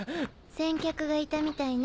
先客がいたみたいね。